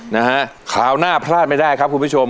นะฮะคราวหน้าพลาดไม่ได้ครับคุณผู้ชม